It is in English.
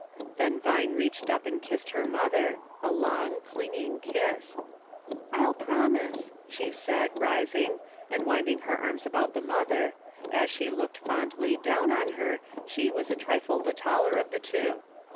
'" Then Vine reached up and kissed her mother, — a long, clinging kiss. "I'll promise," she said, rising, and winding her arms about the mother ; as she looked fondly down on her, she was a trifle the taller of the two.